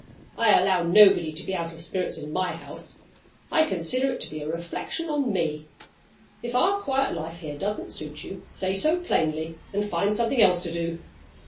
I allow nobody to be out of spirits in My house. I consider it to be a reflection on Me. If our quiet life here doesn't suit you, say so plainly, and find something else to do.